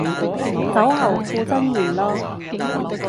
酒後吐真言囉